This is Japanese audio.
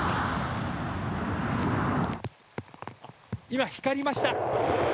今、光りました。